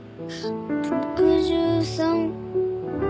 ６３。